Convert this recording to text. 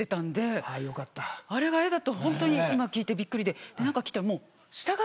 あれが絵だとホントに今聞いてびっくりで。